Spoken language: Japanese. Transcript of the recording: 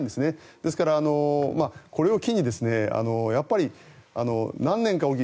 ですから、これを機にやっぱり何年かおき